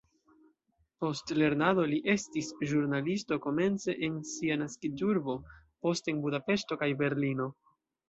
Post lernado li estis ĵurnalisto komence en sia naskiĝurbo, poste en Budapeŝto kaj Berlino.